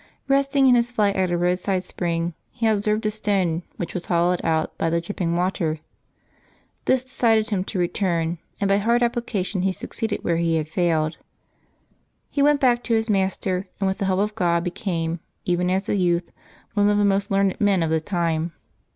Eesting in his flight at a roadside spring, he observed a stone, which was hollowed out by the dripping water. This decided him to return, and by hard application he succeeded where he had failed. He went back to his master, and with the help of God be came, even as a youth, one of the most learned men of the time.